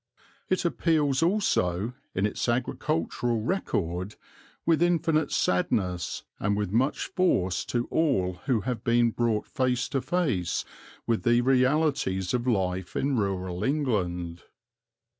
It appeals also, in its agricultural record, with infinite sadness and with much force to all who have been brought face to face with the realities of life in rural England.